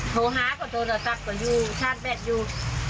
โทรหาขอโทรตักกว่ายู่ชาติแบ๊ดอยู่